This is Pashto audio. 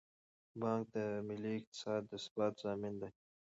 بانک د ملي اقتصاد د ثبات ضامن دی.